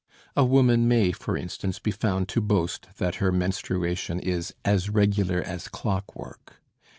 A woman may for instance be found to boast that her menstruation is as regular as clockwork.